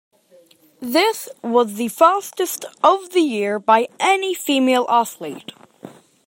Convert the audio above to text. This was the fastest of the year by any female athlete.